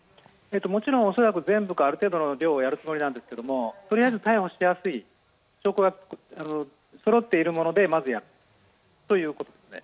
もちろん恐らく全部か、ある程度の量をやるつもりなんですがとりあえず逮捕しやすい証拠がそろっているものでまず、やるということですね。